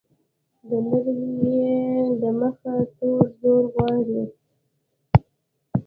د نرمې ی د مخه توری زور غواړي.